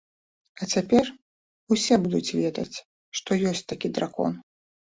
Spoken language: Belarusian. А цяпер усе будуць ведаць, што ёсць такі дракон.